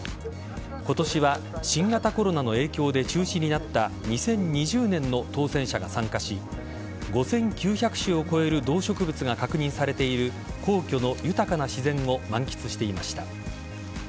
今年は新型コロナの影響で中止になった２０２０年の当選者が参加し５９００種を超える動植物が確認されている皇居の豊かな自然を満喫していました。